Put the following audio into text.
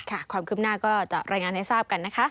ค่ะความคิดขึ้นหน้าก็จะรายงานให้ทราบกันนะคะ